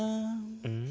うん？